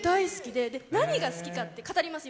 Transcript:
で何が好きかって語ります